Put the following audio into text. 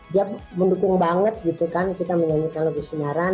dia mendukung banget gitu kan kita menyanyikan lagu sinaran